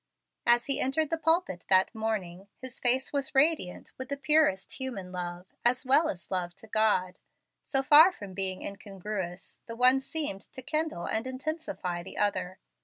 As he entered the pulpit that morning his face was radiant with the purest human love, as well as love to God. So far from being incongruous, the one seemed to kindle and intensify the other.